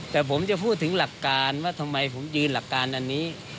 แต่ผมจะพูดถึงหลักการว่าทำไมผมยืนหลักการอันนี้